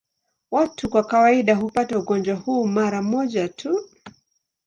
Watu kwa kawaida hupata ugonjwa huu mara moja tu.